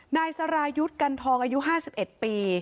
นายสรายุทธ์กันทองอายุ๕๑ปี